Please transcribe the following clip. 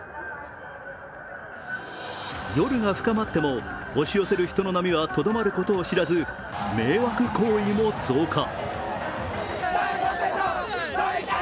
夜が深まっても、押し寄せる人の波はとどまることを知らず迷惑行為も増加。